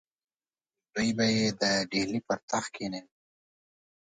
دی به یې د ډهلي پر تخت کښېنوي.